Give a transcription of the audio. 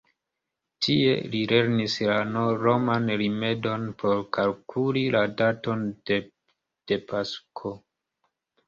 Tie li lernis la roman rimedon por kalkuli la daton de Pasko.